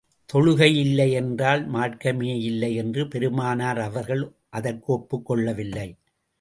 தொழுகையில்லை என்றால் மார்க்கமேயில்லை என்று பெருமானார் அவர்கள் அதற்கு ஒப்புக் கொள்ளவில்லை.